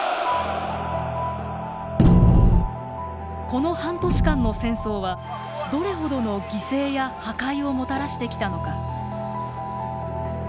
この半年間の戦争はどれほどの犠牲や破壊をもたらしてきたのか。